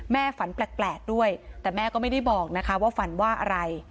ฝันแปลกด้วยแต่แม่ก็ไม่ได้บอกนะคะว่าฝันว่าอะไร